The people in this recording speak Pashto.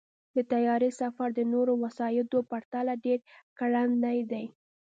د طیارې سفر د نورو وسایطو پرتله ډېر ګړندی دی.